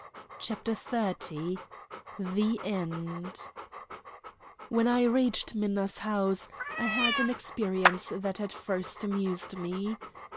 CHAPTER XXX THE END When I reached Minna's house, I had an experience that at first amused me.